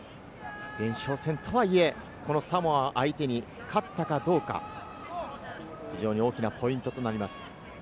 前哨戦とはいえ、サモア相手に勝ったかどうか、非常に大きなポイントとなります。